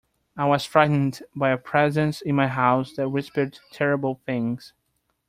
I was frightened by a presence in my house that whispered terrible things.